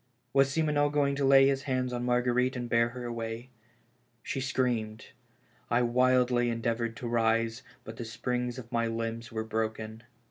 Was Simoneau going to lay his hands on Marguerite and bear her away ? She screamed. I wildly endeav ored to rise, but the springs of my limbs were broken.